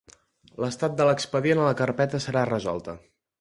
L'estat de l'expedient a la carpeta serà resolta.